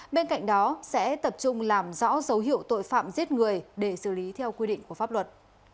bên cạnh đó sẽ tập trung làm rõ dấu hiệu tội phạm giết người để xử lý theo quy định của pháp luật